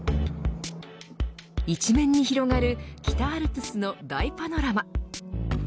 一面に広がる北アルプスの大パノラマ。